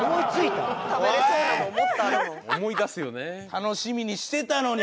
楽しみにしてたのに！